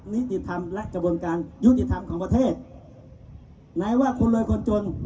นิติธรรมและกระบวนการยุติธรรมของประเทศไหนว่าคนรวยคนจน